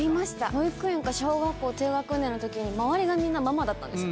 保育園か小学校低学年のときに周りがみんなママだったんですよ。